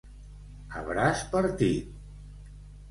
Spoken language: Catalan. A braç partit.